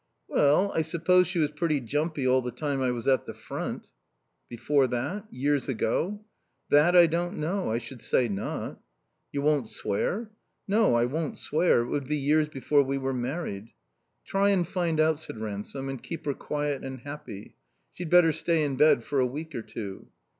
"Well, I suppose she was pretty jumpy all the time I was at the front." "Before that? Years ago?" "That I don't know. I should say not." "You won't swear?" "No. I won't swear. It would be years before we were married." "Try and find out," said Ransome. "And keep her quiet and happy. She'd better stay in bed for a week or two."